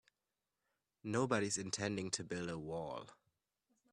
Nobody's intending to build a wall.